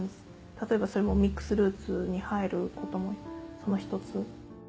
例えばそれもミックスルーツに入ることもその一つ。